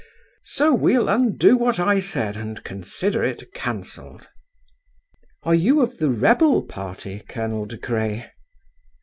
So we'll undo what I said, and consider it cancelled." "Are you of the rebel party, Colonel De Craye?"